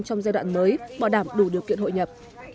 trong giai đoạn mới bảo đảm đủ điều kiện hội nhập